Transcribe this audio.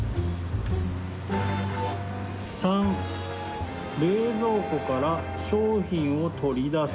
「３冷蔵庫から商品を取り出す」